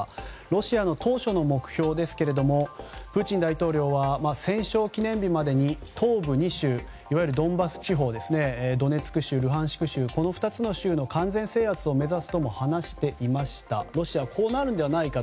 ロシアの当初の目標ですがプーチン大統領は戦勝記念日までに東部２州いわゆるドンバス地方、ドネツク州ルハンシク州この州の完全制圧を目指すとも話していました。